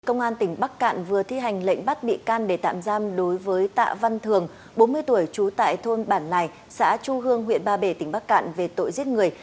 công an tỉnh bắc cạn vừa thi hành lệnh bắt bị can để tạm giam đối với tạ văn thường bốn mươi tuổi trú tại thôn bản lài xã chu hương huyện ba bể tỉnh bắc cạn về tội giết người